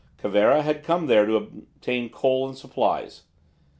Cervera had come there to obtain coal and supplies.